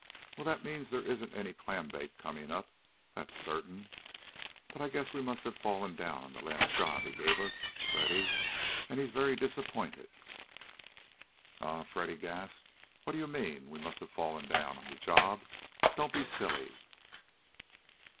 Well, that means there isn't any clam bake coming up, that's certain. But I guess we must have fallen down on that last job he gave us, Freddy. And he's very disappointed."[A] "Eh?" Freddy gasped. "What do you mean, we must have fallen down on the job? Don't be silly!"